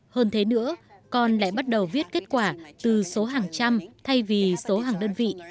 hơn thế nữa con lại bắt đầu viết kết quả từ số hàng trăm thay vì số hàng đơn vị